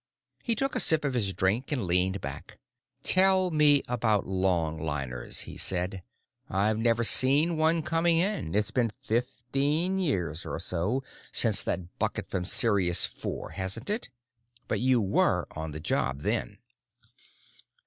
He took a sip of his drink and leaned back. "Tell me about longliners," he said. "I've never seen one coming in; it's been fifteen years or so since that bucket from Sirius IV, hasn't it? But you were on the job then."